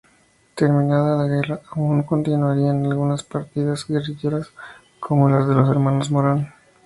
Terminada la guerra aún continuarían algunas partidas guerrilleras como las de los hermanos Morán.